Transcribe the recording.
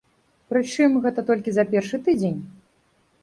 Прычым, гэта толькі за першы тыдзень.